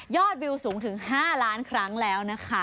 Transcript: วิวสูงถึง๕ล้านครั้งแล้วนะคะ